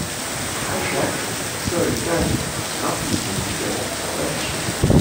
À chaque ', seuls quatre graphismes différents sont affichés.